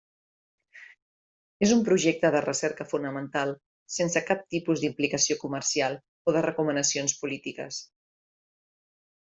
És un projecte de recerca fonamental sense cap tipus d'implicació comercial o de recomanacions polítiques.